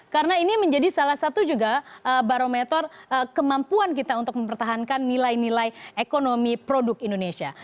karena ini menjadi salah satu juga barometer kemampuan kita untuk mempertahankan nilai nilai ekonomi produk indonesia